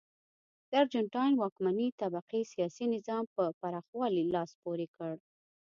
د ارجنټاین واکمنې طبقې سیاسي نظام په پراخولو لاس پورې کړ.